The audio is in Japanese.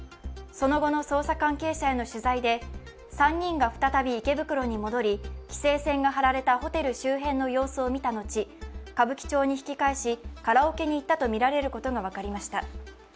その後の捜査関係者への取材で３人が再び池袋に戻り、規制線が張られたホテル周辺の様子を見た後、歌舞伎町に引き返し、カラオケに行ったとみられることが分かりました。